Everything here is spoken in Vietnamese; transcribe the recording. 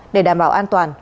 để đảm bảo an toàn